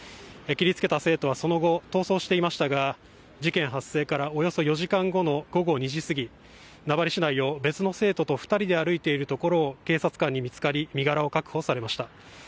切りつけた生徒はその後逃走していましたが事件発生からおよそ４時間後の午後２時すぎ、名張市内を別の生徒と２人で歩いているところを警察官に見つかり、身柄を確保されました。